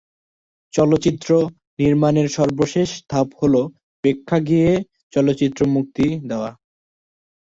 চলচ্চিত্র নির্মাণের সর্বশেষ ধাপ হল প্রেক্ষাগৃহে চলচ্চিত্র মুক্তি দেওয়া।